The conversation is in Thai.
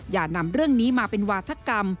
อย่านำเรื่องนี้มาเป็นวาธกรรม